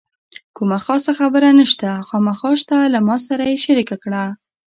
کومه خاصه خبره نشته، خامخا شته له ما سره یې شریکه کړه.